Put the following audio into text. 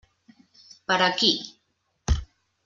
Per a qui?